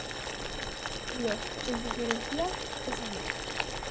Dios en sus energías es amor.